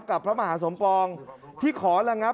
การเงินมันมีฝ่ายฮะ